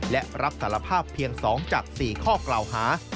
และรับสารภาพเพียง๒จาก๔ข้อกล่าวหา